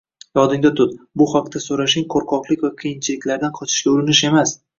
Yodingda tut: bu haqda so‘rashing qo‘rqoqlik va qiyinchiliklardan qochishga urinish emas!